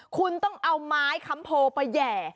คุณต้องเอาไม้คำโพไปแห่